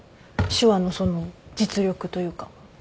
手話のその実力というか。